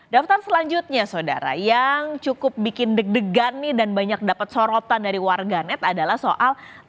daftar selanjutnya saudara yang cukup bikin deg degan nih dan banyak dapat sorotan dari warganet adalah soal